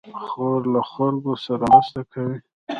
خور له خلکو سره مرسته کوي.